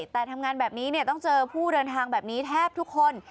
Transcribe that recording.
แต่ทำงานแบบนี้ต้องเจอผู้เดินทางแบบนี้แทบทุกคน